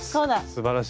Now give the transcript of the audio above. すばらしい。